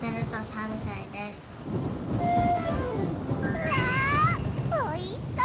うわおいしそう！